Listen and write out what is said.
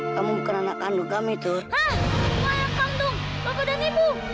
kamu siapa kok kamu tak disi